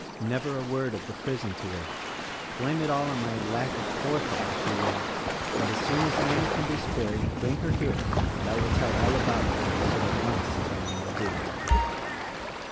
Never a word of the prison to her! Blame it all on my lack of forethought, if you will; and as soon as Annie can be spared bring her here and I will tell all about it, so that once telling will do."